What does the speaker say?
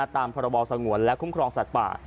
ตามพรบสงวนและคุ้มครองสัตว์ป่า